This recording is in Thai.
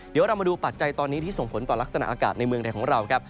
เดี๋ยวเรามาดูปัจจัยตอนนี้ที่ส่งผลต่อลักษณะอากาศในเมืองไทยของเราครับ